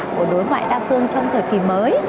của đối ngoại đa phương trong thời kỳ mới